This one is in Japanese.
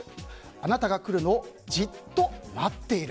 あなたがくるのをじっとまってる。